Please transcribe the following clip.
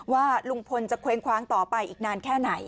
ว่าลุงพลจะเคว้งคว้างต่อไปอีกนานแค่ไหน